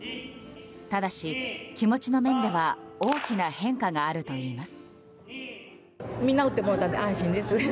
ただし、気持ちの面では大きな変化があるといいます。